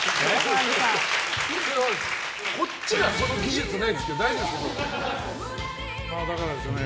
こっちはその技術ないんですが大丈夫ですかね。